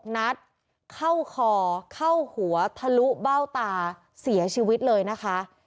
นัดเข้าคอเข้าหัวทะลุเบ้าตาเสียชีวิตเลยนะคะ